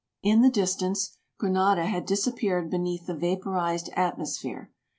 In the distance, Granada had dis appeared beneath the vaporized atmosphere.